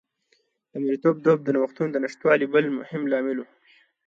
د مریتوب دود د نوښتونو د نشتوالي بل مهم لامل و